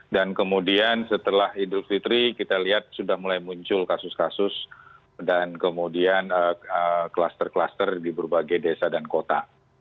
dan kemudian setelah idul fitri kita lihat sudah mulai muncul kasus kasus dan kemudian kluster kluster di berbagai desa dan kota